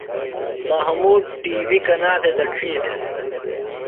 محمود ٹی وی کنا تھےۡ دڇھی دےۡ؟